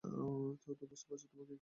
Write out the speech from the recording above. তো, বুঝতে পারছো, তোমাকে কী করতে হবে?